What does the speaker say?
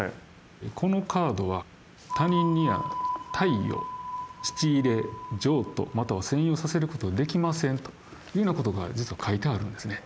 「このカードは他人に貸与・質入・譲渡または占有させることはできません」というようなことが実は書いてあるんですね。